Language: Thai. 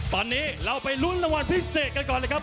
ตอนนี้เราไปลุ้นรางวัลพิเศษกันก่อนเลยครับ